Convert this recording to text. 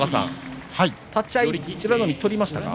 立ち合い、取りましたか？